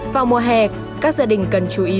vào mùa hè các gia đình cần chú ý